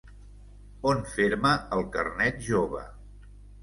On fer-me el carnet jove?